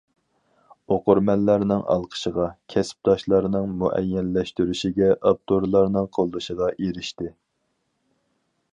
ئوقۇرمەنلەرنىڭ ئالقىشىغا، كەسىپداشلارنىڭ مۇئەييەنلەشتۈرۈشىگە، ئاپتورلارنىڭ قوللىشىغا ئېرىشتى.